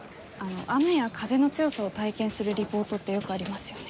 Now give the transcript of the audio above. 雨や風の強さを体験するリポートってよくありますよね。